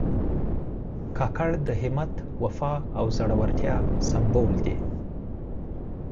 کاکړ د همت، وفا او زړورتیا سمبول دي.